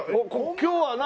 今日は何？